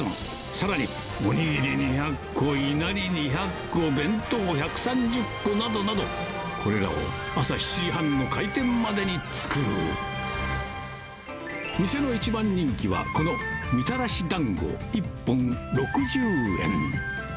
さらにお握り２００個いなり２００個弁当１３０個などなど、これらを朝７時半の開店までに作る、店の一番人気は、このみたらしだんご、１本６０円。